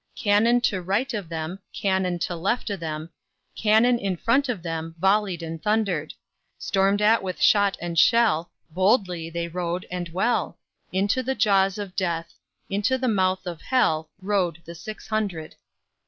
Cannon to right of them, Cannon to left of them, Cannon in front of them Volley'd and thunder'd; Storm'd at with shot and shell, Boldly they rode and well, Into the jaws of Death, Into the mouth of Hell Rode the six hundred.